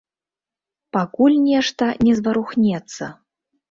Пакуль нешта не зварухнецца.